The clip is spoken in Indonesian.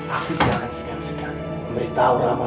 aku tidak akan segar segar memberitahu rama